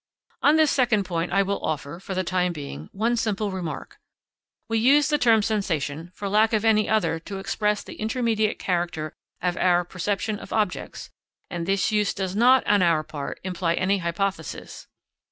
On this second point I will offer, for the time being, one simple remark: we use the term sensation for lack of any other to express the intermediate character of our perception of objects; and this use does not, on our part, imply any hypothesis.